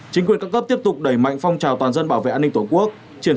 chính quyền các cấp tiếp tục đẩy mạnh phong trào toàn dân bảo vệ an ninh tổ quốc